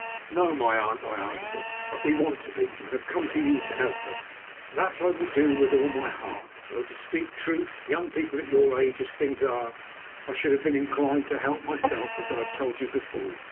"No, my aunt," I answered; "but we want to be, and have come to you to help us." "That I will do with all my heart, though to speak truth, young people, at your age, as things are, I should have been inclined to help myself, as I have told you before.